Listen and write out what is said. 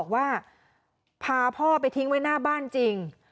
ว่าพาพ่อไปทิ้งไว้หน้าบ้านจริง